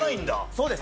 そうです。